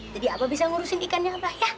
jadi abah bisa ngurusin ikannya abah ya